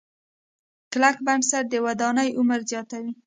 کلک بنسټ د ودانۍ عمر زیاتوي.